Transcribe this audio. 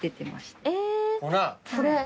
これ？